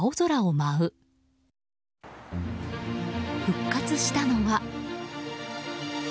復活したのは。